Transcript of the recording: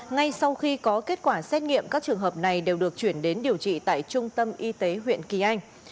ngay sau khi có kết quả xét nghiệm các trường hợp này đều được chuyển đến điều trị tại trung tâm y tế huyện kỳ anh